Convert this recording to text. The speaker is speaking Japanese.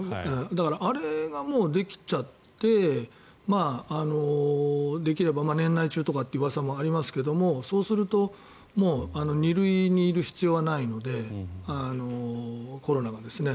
だからあれができちゃってできれば、年内中といううわさもありますけどそうすると２類にいる必要はないのでコロナがですね。